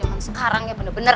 enak enak sekarang ya bener bener